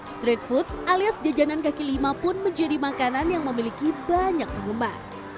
street food alias jajanan kaki lima pun menjadi makanan yang memiliki banyak penggemar